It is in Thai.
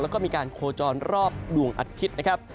แล้วก็มีการโคจรรอบดวงอาทิตย์นะครับ